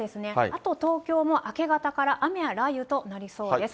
あと東京も明け方から雨や雷雨となりそうです。